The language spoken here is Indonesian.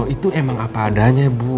itu emang apa adanya bu